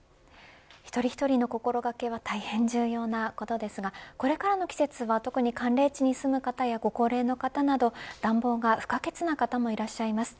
一人一人の心掛けは大変重要なことですがこれからの季節は、特に寒冷地に住む方やご高齢の方など暖房が不可欠の方もいらっしゃいます。